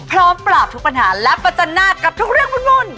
พร้อมปราบทุกปัญหาและประจันหน้ากับทุกเรื่องวุ่น